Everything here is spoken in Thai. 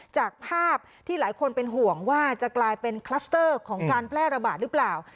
จากภาพที่หลายคนเป็นห่วงว่าจะกลายเป็นคลัสเตอร์ของการแพร่ระบาดหรือเปล่า